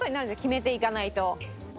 決めていかないと。